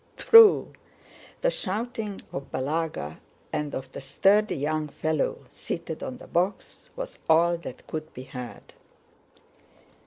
Tproo!..." The shouting of Balagá and of the sturdy young fellow seated on the box was all that could be heard.